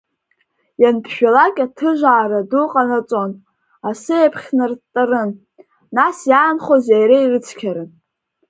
Ианԥжәалак аҭыжаара ду ҟанаҵон, асы еиԥхьнарттарын, нас иаанхоз иара ирыцқьарын.